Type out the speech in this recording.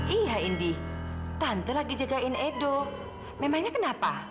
iya indi tante lagi jagain edo memangnya kenapa